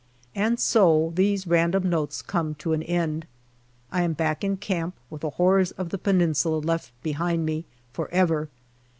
And so these random notes come to an end. I am back in camp with the horrors of the Peninsula left behind me for ever.